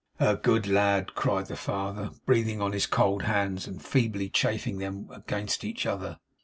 'A good lad!' cried the father, breathing on his cold hands, and feebly chafing them against each other.